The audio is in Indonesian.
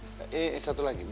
oke oke eh satu lagi